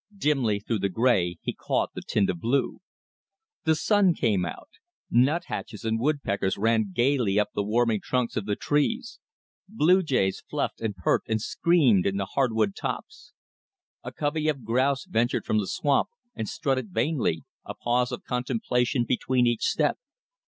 Dimly through the gray he caught the tint of blue. The sun came out. Nut hatches and wood peckers ran gayly up the warming trunks of the trees. Blue jays fluffed and perked and screamed in the hard wood tops. A covey of grouse ventured from the swamp and strutted vainly, a pause of contemplation between each step.